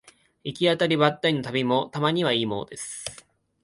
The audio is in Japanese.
行き当たりばったりの旅もたまにはいいものです